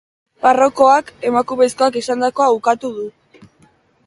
Parrokoak emakumezkoak esandakoa ukatu du.